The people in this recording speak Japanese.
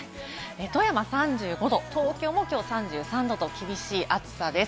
富山は３５度、東京も今日３３度と厳しい暑さです。